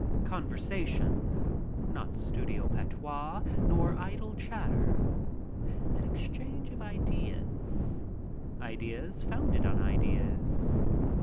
Conversation, not studio patois nor idle chatter. An exchange of ideas — ideas founded on ideas.